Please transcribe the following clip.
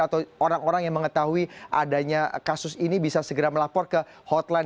atau orang orang yang mengetahui adanya kasus ini bisa segera melapor ke hotline